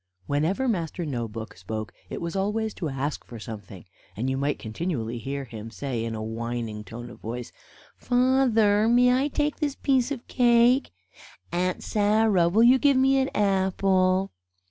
Whenever Master No book spoke it was always to ask for something, and you might continually hear him say in a whining tone of voice: "Father, may I take this piece of cake?" "Aunt Sarah, will you give me an apple?"